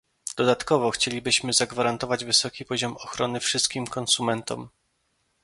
Dodatkowo chcieliśmy zagwarantować wysoki poziom ochrony wszystkim konsumentom